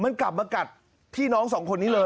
มันกลับมากัดพี่น้องสองคนนี้เลย